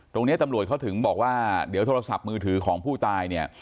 ตรงนี้ตำรวจเขาถึงบอกว่าเดี๋ยวโทรศัพท์มือถือของผู้ตายเนี่ย